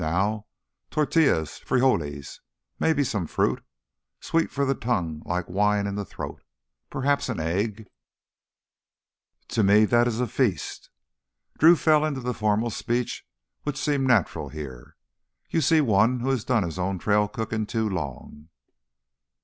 Now, tortillas, frijoles, maybe some fruit ... sweet for the tongue, like wine in the throat. Perhaps an egg—" "To me that is a feast." Drew fell into the formal speech which seemed natural here. "You see one who has done his own trail cooking too long."